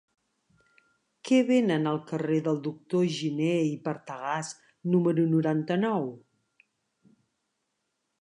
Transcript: Què venen al carrer del Doctor Giné i Partagàs número noranta-nou?